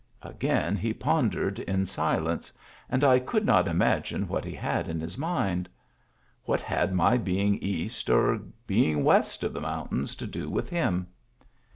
Again he pondered in silence, and I could not imagine what he had in his mind. What had my being east or being west of the mountains to do with him